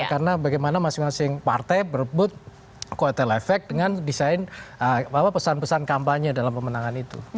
karena bagaimana masing masing partai berebut ke hotel effect dengan desain apa apa pesan pesan kampanye dalam pemenangan itu